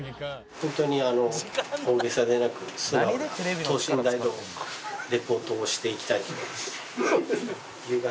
ホントに大げさでなく素直な等身大のリポートをしていきたいと思います。